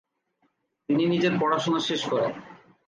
তিনি নিজের পড়াশোনা শেষ করেন।